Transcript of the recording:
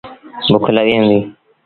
بُک لڳل هُݩديٚ۔